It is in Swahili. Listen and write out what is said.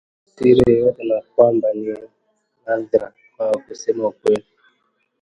siri yoyote na kwamba ni nadra kwao kusema ukweli